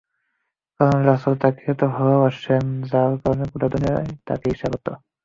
কারণ রাসূল তাকে এতো ভালবাসতেন যার কারণে গোটা দুনিয়া তাকে ঈর্ষা করত।